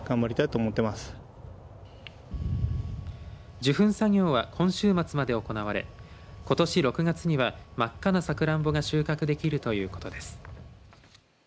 受粉作業は今週末まで行われことし６月には真っ赤なさくらんぼが収穫できるということです。